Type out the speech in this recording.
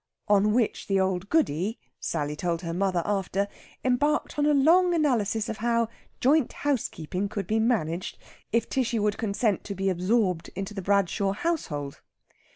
On which the old Goody (Sally told her mother after) embarked on a long analysis of how joint housekeeping could be managed if Tishy would consent to be absorbed into the Bradshaw household.